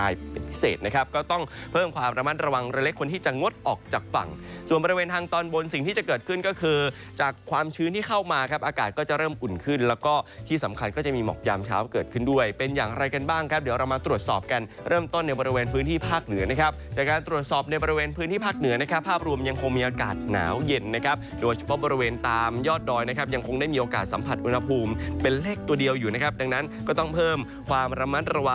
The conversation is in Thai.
อย่างไรกันบ้างครับเดี๋ยวเรามาตรวจสอบกันเริ่มต้นในบริเวณพื้นที่ภาคเหนือนะครับจากการตรวจสอบในบริเวณพื้นที่ภาคเหนือนะครับภาพรวมยังคงมีอากาศหนาวเย็นนะครับโดยเฉพาะบริเวณตามยอดดอยนะครับยังคงได้มีโอกาสสัมผัสอุณหภูมิเป็นเลขตัวเดียวอยู่นะครับดังนั้นก็ต้องเพิ่มความระ